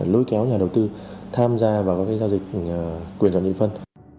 lôi kéo nhà đầu tư tham gia vào loại hình sàn giao dịch quyền chọn địa phân